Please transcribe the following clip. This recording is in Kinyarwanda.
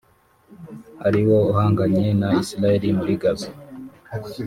ariwo uhanganye na Israel muri Gaza